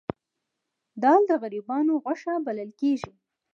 دال د غریبانو غوښه بلل کیږي